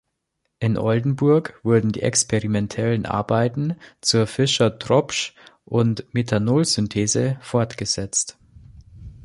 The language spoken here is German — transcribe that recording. In Oldenburg wurden die experimentellen Arbeiten zur Fischer-Tropsch- und Methanol-Synthese fortgesetzt.